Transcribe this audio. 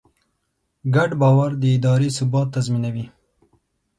ګډ باور د ادارې ثبات تضمینوي.